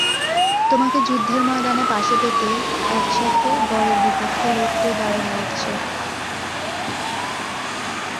তোমাকে যুদ্ধের ময়দানে পাশে পেতে, একসাথে গরের বিপক্ষে লড়তে দারুণ লাগছে।